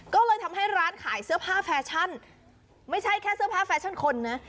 ก็เลยทำให้ร้านขายเสื้อผ้าแฟชั่นไม่ใช่แค่เสื้อผ้าแฟชั่นคนนะ